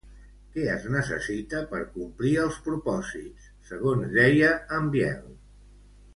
Què es necessita per complir els propòsits, segons deia en Biel?